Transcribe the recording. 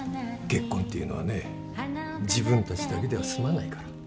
結婚っていうのはね自分たちだけでは済まないから。